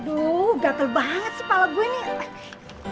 aduh gatel banget sih kepala gue nih